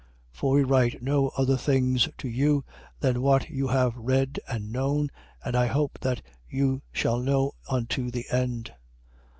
1:13. For we write no other things to you than what you have read and known. And I hope that you shall know unto the end.